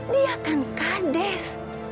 dia kan kades